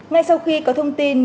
ngay sau khi có thông tin